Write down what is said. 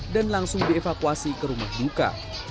dan langsung dievakuasi ke rumah buka